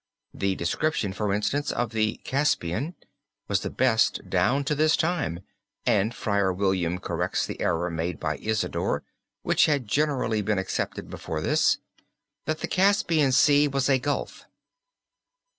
The description, for instance, of the Caspian was the best down to this time, and Friar William corrects the error made by Isidore, and which had generally been accepted before this, that the Caspian Sea was a gulf.